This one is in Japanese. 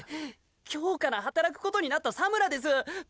今日から働くことになった佐村ですっ！